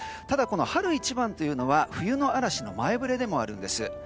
ただこの春一番というのは冬の嵐の前触れでもあるんです。